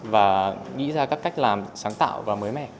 và nghĩ ra các cách làm sáng tạo và mới mẻ